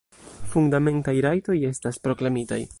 Fundamentaj rajtoj estas proklamitaj.